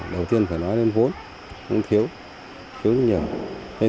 đầu tiên phải nói đến vốn cũng thiếu thiếu nhiều